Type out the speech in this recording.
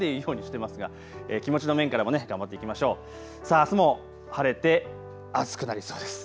あすも晴れて暑くなりそうです。